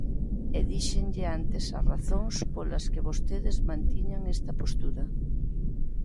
E díxenlle antes as razóns polas que vostedes mantiñan esta postura.